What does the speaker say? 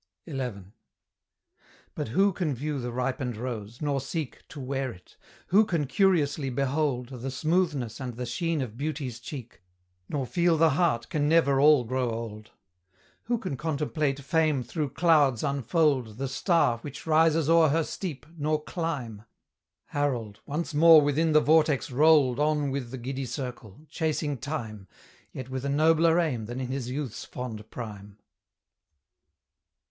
XI. But who can view the ripened rose, nor seek To wear it? who can curiously behold The smoothness and the sheen of beauty's cheek, Nor feel the heart can never all grow old? Who can contemplate fame through clouds unfold The star which rises o'er her steep, nor climb? Harold, once more within the vortex rolled On with the giddy circle, chasing Time, Yet with a nobler aim than in his youth's fond prime.